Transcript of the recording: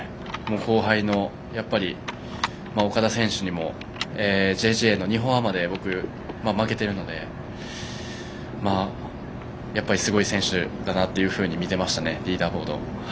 後輩の岡田選手にもＪＧＡの日本アマで僕、負けてるのでやっぱりすごい選手だなと見ていました、リーダーボードを。